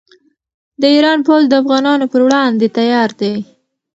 د ایران پوځ د افغانانو پر وړاندې تیار دی.